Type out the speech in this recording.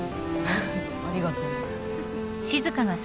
ありがとう。